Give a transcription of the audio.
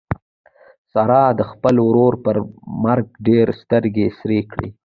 سارا د خپل ورور پر مرګ ډېرې سترګې سرې کړې.